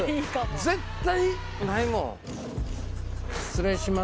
絶対ないもん。